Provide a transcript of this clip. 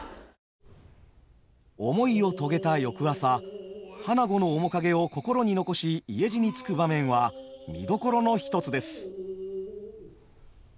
思いを遂げた翌朝花子の面影を心に残し家路につく場面は見どころの一つです。